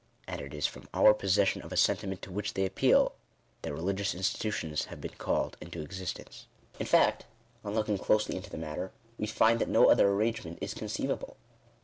And it is from our possession of a sentiment to which they appeal, that religious institutions have been called into existence. In fact, on looking closely into the matter, we find that no other arrangement is conceivable.